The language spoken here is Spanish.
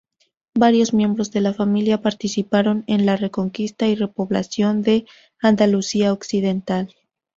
Varios miembros de la familia participaron en la reconquista y repoblación de Andalucía occidental.